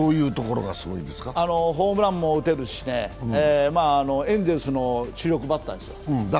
ホームランも打てるし、エンゼルスの主力バッターです。